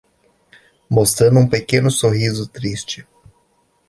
Mostrando um pequeno sorriso triste